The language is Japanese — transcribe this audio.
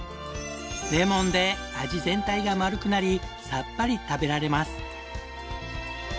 レモンで味全体が丸くなりさっぱり食べられます。